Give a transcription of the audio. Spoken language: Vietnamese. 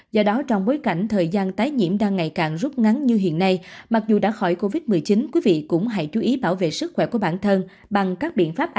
do đó trong bối cảnh thời gian tái nhiễm đang ngày càng rút ngắn như hiện nay mặc dù đã khỏi covid một mươi chín quý vị cũng hãy chú ý bảo vệ sức khỏe của bản thân bằng các biện pháp hạn chế